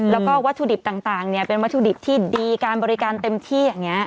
แล้วก็วัตถุดิบต่างเป็นวัตถุดิบที่ดีการบริการเต็มที่อย่างนี้